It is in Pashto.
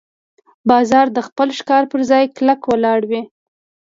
باز د خپل ښکار پر ځای کلکه ولاړ وي